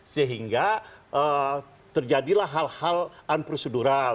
sehingga terjadilah hal hal unprocedural